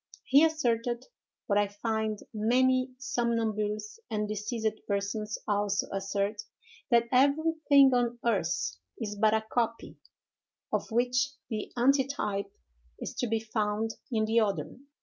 He asserted, what I find many somnambules and deceased persons also assert, that everything on earth is but a copy, of which the antitype is to be found in the other.